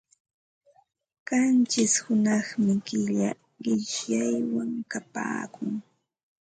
Qanchish hunaqmi killa qishyaywan kapaakun.